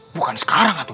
bukan sekarang atu